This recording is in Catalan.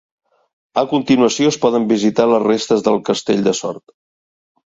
A continuació, es poden visitar les restes del castell de Sort.